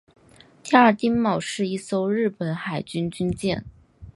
第二丁卯是一艘日本海军军舰。